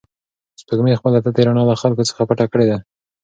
سپوږمۍ خپله تتې رڼا له خلکو څخه پټه کړې ده.